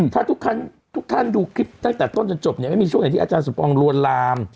ถ้าทุกท่านดูคลิปตั้งแต่ต้นจนจบเนี่ยไม่มีช่วงไหนที่อาจารย์สมปองลวนลาม